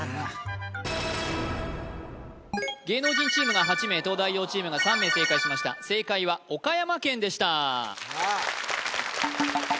芸能人チームが８名東大王チームが３名正解しました正解は岡山県でした